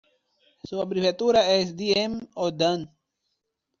Su abreviatura es Dm o dam.